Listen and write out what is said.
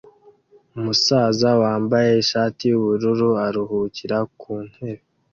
Umusaza wambaye ishati yubururu aruhukira ku ntebe